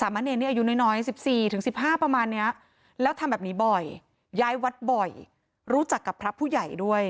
สามเมรนดรยูน้อยสิบสี่ถึงสิบห้าประมาณเนี้ยแล้วทำแบบนี้บ่อยย้ายวัดบ่อยรู้จักกับพระผู้ใหญ่ด้วย